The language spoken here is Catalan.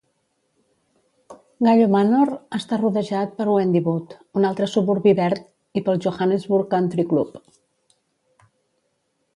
Gallo Manor està rodejat per Wendywood, un altre suburbi verd i pel Johannesburg Country Club.